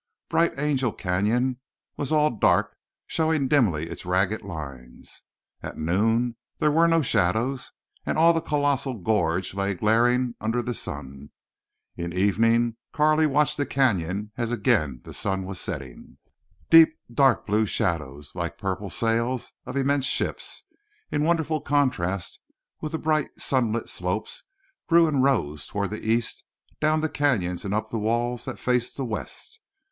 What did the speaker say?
Bright Angel Canyon was all dark, showing dimly its ragged lines. At noon there were no shadows and all the colossal gorge lay glaring under the sun. In the evening Carley watched the Canyon as again the sun was setting. Deep dark blue shadows, like purple sails of immense ships, in wonderful contrast with the bright sunlit slopes, grew and rose toward the east, down the canyons and up the walls that faced the west.